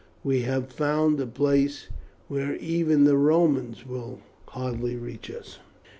We have found a place where even the Romans will hardly reach us."